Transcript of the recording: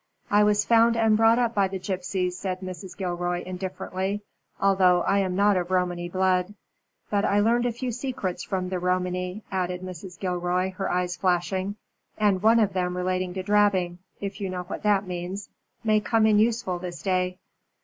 "I was found and brought up by gypsies," said Mrs. Gilroy, indifferently, "although I am not of Romany blood. But I learned a few secrets from the Romany," added Mrs. Gilroy, her eyes flashing, "and one of them relating to drabbing if you know what that means may come in useful this day."